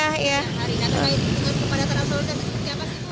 hari ini ada kait kepada tawas lintas siapa sih